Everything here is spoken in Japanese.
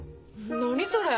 何それ？